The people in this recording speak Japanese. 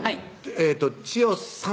えっと千代さん？